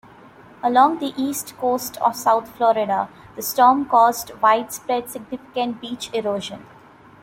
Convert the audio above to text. Along the east coast of South Florida, the storm caused widespread, significant beach erosion.